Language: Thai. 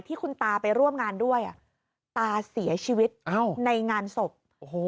ที่คุณตาไปร่วมงานด้วยอ่ะตาเสียชีวิตในงานศพ